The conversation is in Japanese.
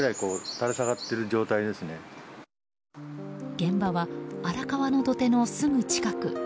現場は、荒川の土手のすぐ近く。